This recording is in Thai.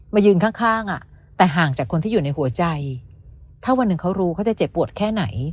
ยืนข้างอ่ะแต่ห่างจากคนที่อยู่ในหัวใจถ้าวันหนึ่งเขารู้เขาจะเจ็บปวดแค่ไหน